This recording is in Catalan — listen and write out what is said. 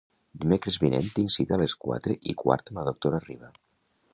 Dimecres vinent tinc cita a les quatre i quart amb la doctora Riba.